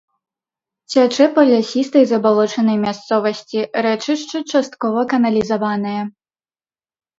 Цячэ па лясістай забалочанай мясцовасці, рэчышча часткова каналізаванае.